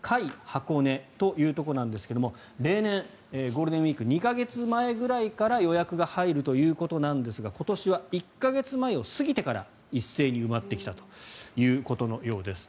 箱根というところなんですが例年、ゴールデンウィーク２か月前ぐらいから予約が入るということなんですが今年は１か月前を過ぎてから一斉に埋まってきたということのようです。